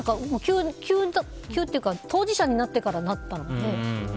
急というか当事者になってからだったので。